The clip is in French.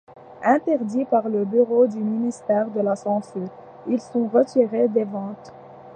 Interdits par le bureau du Ministère de la censure, ils sont retirés des ventes.